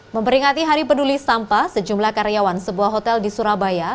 memperingati hari peduli sampah sejumlah karyawan sebuah hotel di surabaya